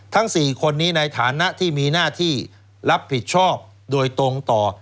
๔คนนี้ในฐานะที่มีหน้าที่รับผิดชอบโดยตรงต่อ